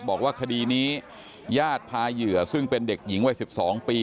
บอกว่าคดีนี้ญาติพาเหยื่อซึ่งเป็นเด็กหญิงวัย๑๒ปี